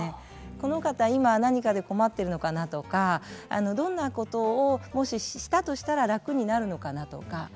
この方今何かで困ってるのかなとかどんなことをもししたとしたら楽になるのかなとか。